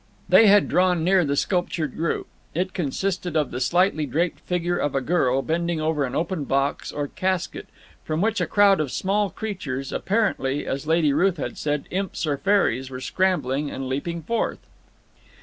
They had drawn near the sculptured group. It consisted of the slightly draped figure of a girl, bending over an open box, or casket, from which a crowd of small creatures, apparently, as Lady Ruth had said, imps or fairies, were scrambling and leaping forth.